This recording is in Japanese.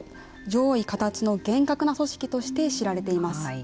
上意下達の厳格な組織として知られています。